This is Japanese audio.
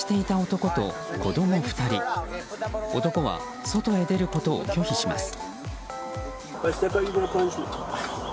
男は外へ出ることを拒否します。